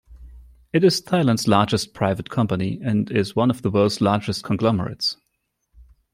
It is Thailand's largest private company and is one of world's largest conglomerates.